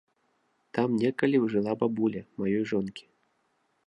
Там некалі жыла бабуля маёй жонкі.